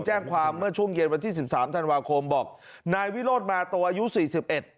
เมื่อช่วงเย็นวันที่สิบสามธันวาคมบอกนายวิโรธมาตัวอายุสี่สิบเอ็ด